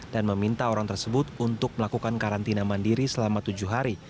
dan meminta orang tersebut untuk melakukan karantina mandiri selama tujuh hari